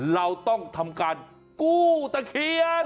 เราต้องทำการกู้ตะเคียน